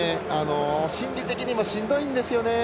心理的にもしんどいんですよね。